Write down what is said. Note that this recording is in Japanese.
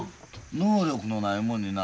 能力のないもんにな